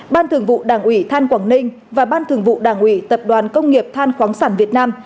ban thường vụ đảng ủy than quảng ninh và ban thường vụ đảng ủy tập đoàn công nghiệp than khoáng sản việt nam